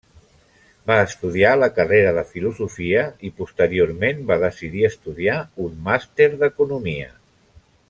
Va estudiar la carrera de filosofia i posteriorment va decidir estudiar un màster d'Economia.